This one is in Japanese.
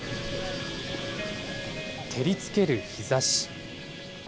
照りつける日ざし。